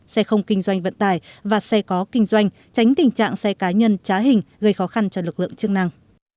xe không kinh doanh vận tải và xe có kinh doanh tránh tình trạng xe cá nhân trá hình gây khó khăn cho lực lượng chức năng